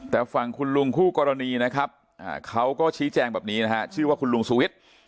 แต่ฝั่งคุณลุงคู่กรณีนะครับเขาก็ชี้แจงแบบนี้นะฮะชื่อว่าคุณลุงสุวิทย์